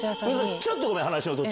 ちょっとごめん、話の途中。